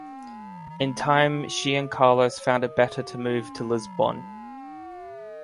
In time she and Carlos found it better to move to Lisbon.